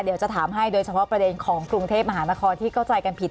เดี๋ยวจะถามให้โดยเฉพาะประเด็นของกรุงเทพมหานครที่เข้าใจกันผิด